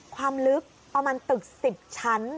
ความลึกประมาณตึก๑๐ชั้น